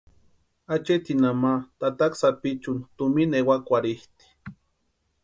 Acheetinha ma tataka sapichuni tumina ewakwarhitʼi.